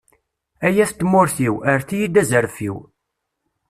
Ay at tmurt-iw, erret-iyi-d azref-iw.